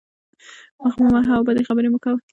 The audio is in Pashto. مخ مه وهه او بدې خبرې مه کوه.